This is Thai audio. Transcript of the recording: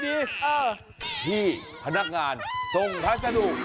ที่พนักงานส่งรักษาดู